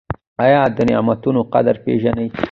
ایا د نعمتونو قدر پیژنئ؟